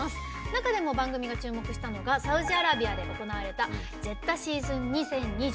中でも番組が注目したのがサウジアラビアで行われたジェッダ・シーズン２０２２。